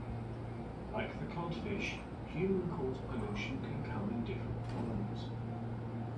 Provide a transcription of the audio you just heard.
Like the codfish, human-caused pollution can come in different forms.